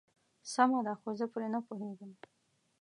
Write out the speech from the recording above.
سمه ده خو زه پرې نه پوهيږم.